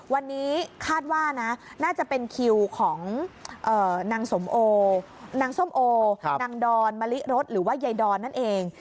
วันนี้คาดว่านะน่าจะเป็นคิวของนางสมโอนางส้มโอนางดอนมะลิรสหรือว่ายายดอนนั่นเอง